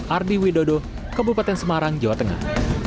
ardi widodo kabupaten semarang jawa tengah